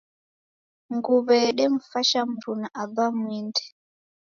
Nguw'e yedemfasha mruna aba mwindi.